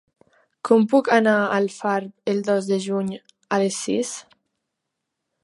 Com puc anar a Alfarb el dos de juny a les sis?